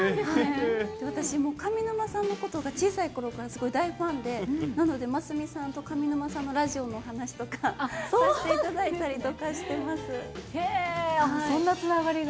私、もう上沼さんのことが小さいころからすごい大ファンで、なのでますみさんと上沼さんのラジオの話とかさせていただいたりそんなつながりが。